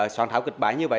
soạn thảo kịch bản như vậy